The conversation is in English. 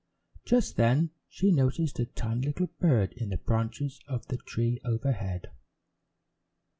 Just then she noticed a tiny little bird in the branches of the tree overhead.